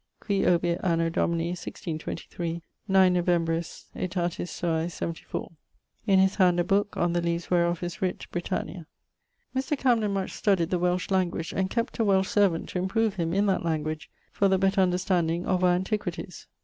Qui obiit anno Domini 1623, 9 Novembris, Aetatis suae 74: in his hand a booke, on the leaves wherof is writt BRITANNIA. Mr. Camden much studied the Welsh language, and kept a Welsh servant to improve him that language, for the better understanding of our antiquities.